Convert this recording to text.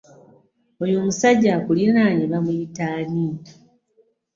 Oyo omusajja akuliraanye bamuyita ani?